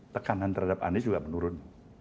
tekanan terhadap anies juga menurun